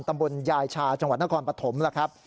ตำบลยายชาจังหวัดนครปฐมล่ะครับ